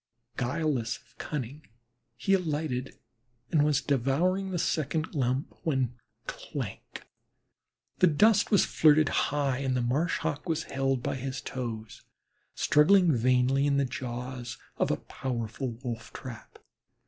Guileless of cunning, he alighted and was devouring a second lump when clank the dust was flirted high and the Marsh Hawk was held by his toes, struggling vainly in the jaws of a powerful wolf trap.